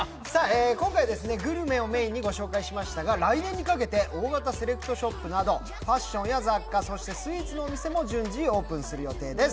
今回、グルメをメインにご紹介しましたが、来年にかけて大型セレクトショップなどファッションや雑貨、スイーツのお店もオープンする予定です。